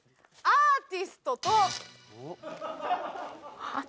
「アーティストと」？